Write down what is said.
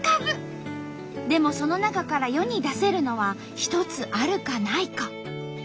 でもその中から世に出せるのは１つあるかないか。